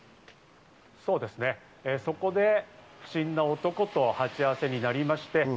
そこで不審な男と鉢合わせになりまして。